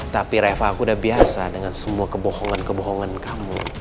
tapi reva aku udah biasa dengan semua kebohongan kebohongan kamu